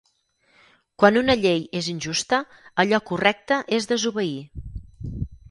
Quan una llei és injusta, allò correcte és desobeir.